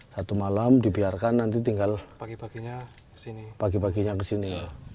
satu malam dibiarkan nanti tinggal pagi paginya ke sini